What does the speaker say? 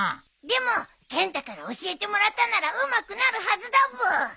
でもケンタから教えてもらったならうまくなるはずだブー。